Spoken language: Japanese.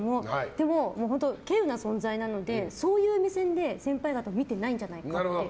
でも、稀有な存在なのでそういう目線で先輩方を見てないんじゃないかって。